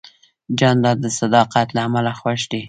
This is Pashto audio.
جانداد د صداقت له امله خوښ دی.